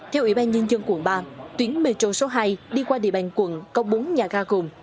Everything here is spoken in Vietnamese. theo ủy ban nhân dân quận ba tuyến metro số hai đi qua địa bàn quận có bốn nhà ga gồm